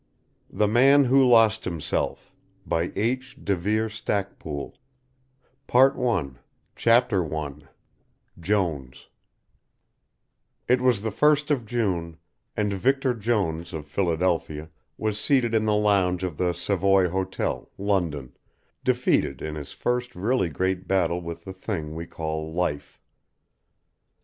He Finds Himself 294 THE MAN WHO LOST HIMSELF PART I CHAPTER I JONES It was the first of June, and Victor Jones of Philadelphia was seated in the lounge of the Savoy Hotel, London, defeated in his first really great battle with the thing we call life.